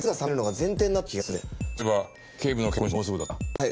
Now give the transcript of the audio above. はい。